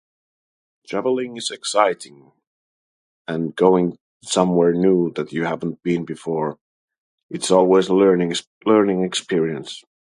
Traveling is exciting, and going somewhere new that you haven't been before, it's always learning, learning experience.